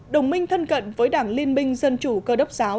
đồng minh thân cận với đảng liên minh dân chủ cơ đốc giáo